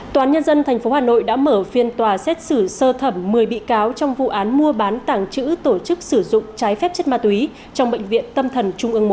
tòa án nhân dân tp hà nội đã mở phiên tòa xét xử sơ thẩm một mươi bị cáo trong vụ án mua bán tàng trữ tổ chức sử dụng trái phép chất ma túy trong bệnh viện tâm thần trung ương một